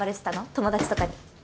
友達とかに。